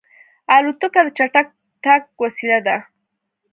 الوتکه د چټک تګ وسیله ده.